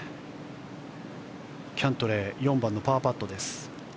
キャントレー４番のパーパットです。